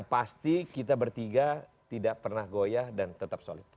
pasti kita bertiga tidak pernah goyah dan tetap solid